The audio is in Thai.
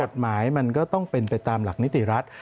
กฎหมายมันก็ต้องเป็นไปตามหลักนิติรัฐ